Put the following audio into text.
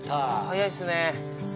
早いっすね。